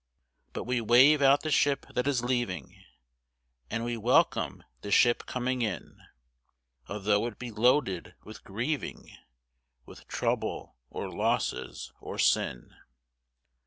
But we wave out the ship that is leaving And we welcome the ship coming in, Although it be loaded with grieving, With trouble, or losses, or sin.